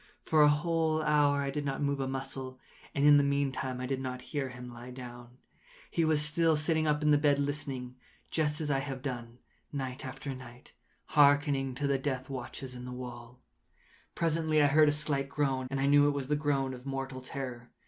For a whole hour I did not move a muscle, and in the meantime I did not hear him lie down. He was still sitting up in the bed listening;—just as I have done, night after night, hearkening to the death watches in the wall. Presently I heard a slight groan, and I knew it was the groan of mortal terror.